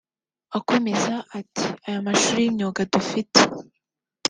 Akomeza ati “Ayo mashuri y’imyuga dufite